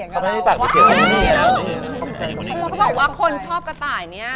ก็บอกว่าคนชอบกระต่าย